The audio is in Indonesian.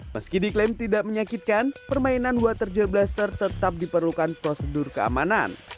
meski diklaim tidak menyakitkan permainan water girl blaster tetap diperlukan prosedur keamanan